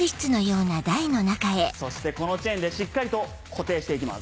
そしてこのチェーンでしっかりと固定して行きます。